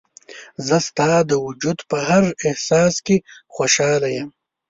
زه ستا د وجود په هر احساس کې خوشحاله یم.